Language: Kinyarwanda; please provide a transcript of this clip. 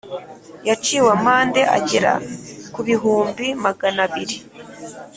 Yaciwe amande agera ku bihumbi magana abiri